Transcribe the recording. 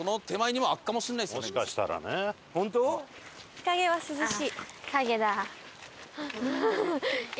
日陰は涼しい。